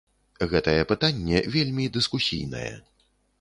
Гэтае пытанне вельмі дыскусійнае.